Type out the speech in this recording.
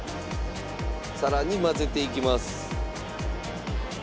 さらに混ぜていきます。